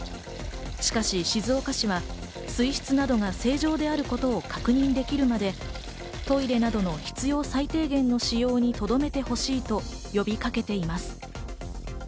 しかし、静岡市は水質などが正常であることを確認できるまで、トイレなどの必要最低限の使用にとどめてほしいと呼びかけています。